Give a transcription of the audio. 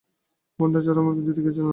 বোনটা ছাড়া আমার পৃথিবীতে কেউ ছিল না।